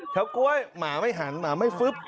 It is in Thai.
ก๊วยหมาไม่หันหมาไม่ฟึ๊บ